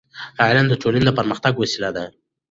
علم د ټولنې د پرمختګ وسیله ده.